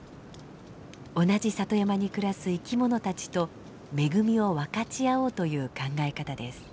同じ里山に暮らす生き物たちと恵みを分かち合おうという考え方です。